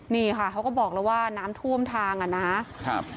นี่ค่ะเขาก็บอกแล้วว่าน้ำท่วมทางอ่ะนะครับ